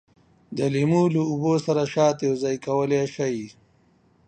د لیمو له اوبو سره شات هم یوځای کولای شئ.